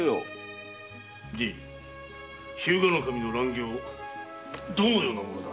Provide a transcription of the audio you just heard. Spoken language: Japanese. じい日向守の乱行どのようなものだ？